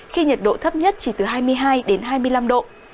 khi nhiệt độ thấp nhất chỉ từ hai mươi hai đến hai mươi năm độ